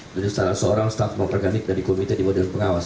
jadi setelah seorang staf memperganik dari komite diwadah pengawas